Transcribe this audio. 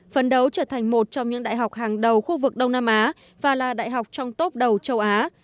phấn đấu trở thành một trong những đại học hàng đầu khu vực đông nam á và là đại học trong tốp đầu châu á